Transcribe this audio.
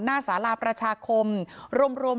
หน้าสาลาประชาคม